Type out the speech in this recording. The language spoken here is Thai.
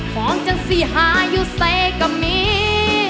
ของจังสี่หายุสัยกับมี